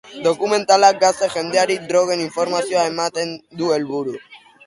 Dokumentalak gazte jendeari drogen informazioa ematea du helburu.